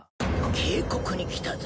警告に来たぞ。